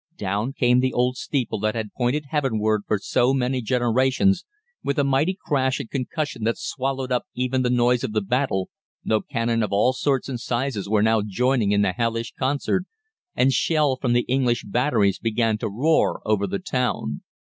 Down came the old steeple that had pointed heavenward for so many generations, with a mighty crash and concussion that swallowed up even the noise of the battle, though cannon of all sorts and sizes were now joining in the hellish concert, and shell from the English batteries began to roar over the town.